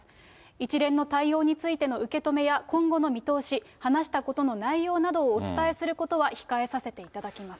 一連の対応についての受け止めや今後の見通し、話したことの内容などをお伝えすることは控えさせていただきます